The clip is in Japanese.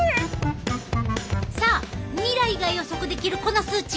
さあ未来が予測できるこの数値